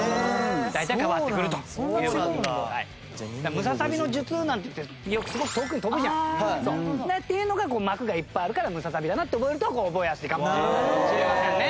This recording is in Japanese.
ムササビの術なんて言ってよくすごく遠くに飛ぶじゃん。っていうのが膜がいっぱいあるからムササビだなって覚えると覚えやすいかもしれませんね。